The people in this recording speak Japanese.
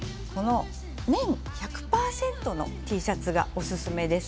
綿１００％のＴシャツがおすすめです。